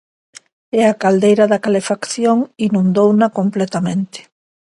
E a caldeira da calefacción inundouna completamente.